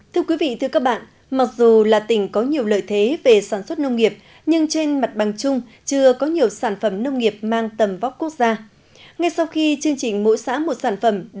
thưa quý vị thưa các bạn mặc dù là tỉnh có nhiều lợi thế về sản xuất nông nghiệp nhưng trên mặt bằng chung chưa có nhiều sản phẩm nông nghiệp mang tầm vóc quốc gia